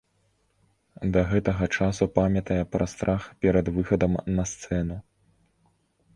Да гэтага часу памятае пра страх перад выхадам на сцэну.